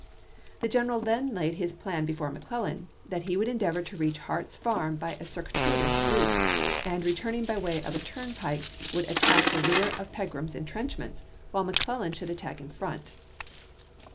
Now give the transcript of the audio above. The general then laid his plan before Mc Clellau, that he would endeavor to reach Hart's farm by a circuitous route, and returning byway of a turnpike would attack the rear of Pegram's intrenchments, while McClellan should attack in front.